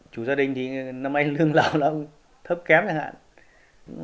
chủ gia đình thì lương lão thấp kém chẳng hạn